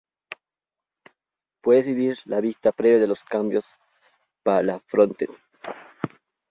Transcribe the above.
Puedes vivir la vista previa de los cambios para el frontend.